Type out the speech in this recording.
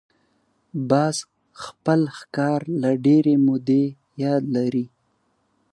باز خپل ښکار له ډېرې مودې یاد لري